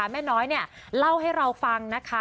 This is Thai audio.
แม่น้อยเล่าให้เราฟังนะคะ